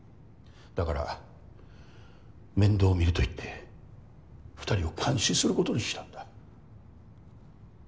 だから面倒をみると言って２人を監視することにしたんだ。